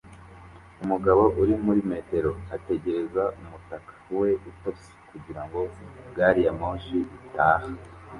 Umugabo uri muri metero ategereza umutaka we utose kugirango gari ya moshi itaha